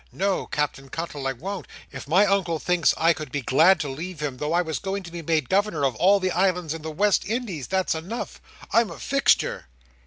No, Captain Cuttle, I won't. If my Uncle thinks I could be glad to leave him, though I was going to be made Governor of all the Islands in the West Indies, that's enough. I'm a fixture."